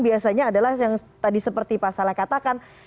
biasanya adalah yang tadi seperti pak saleh katakan